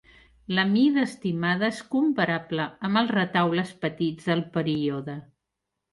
La mida estimada és comparable amb els retaules petits del període.